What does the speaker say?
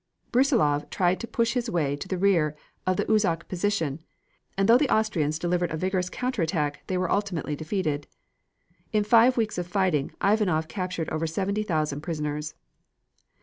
Brussilov tried to push his way to the rear of the Uzzok position, and though the Austrians delivered a vigorous counter attack they were ultimately defeated. In five weeks of fighting Ivanov captured over seventy thousand prisoners.